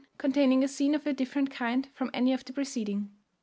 _Containing a scene of a different kind from any of the preceding.